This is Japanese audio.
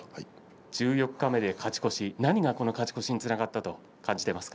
十四日目で勝ち越し何が勝ち越しにつながったと感じていますか？